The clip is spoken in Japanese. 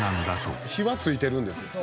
「火はついてるんですね」